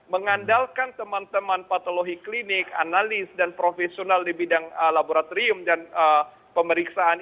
mengandalkan teman teman patologi klinik analis dan profesional di bidang laboratorium dan pemeriksaan